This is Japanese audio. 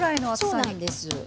そうなんです。